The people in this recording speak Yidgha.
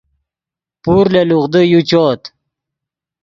پور لے لوغدو یو چؤت